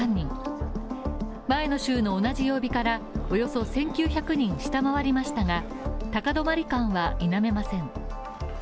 前の週の同じ曜日からおよそ１９００人下回りましたが、高止まり感は否めません。